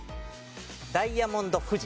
ダイヤモンド富士。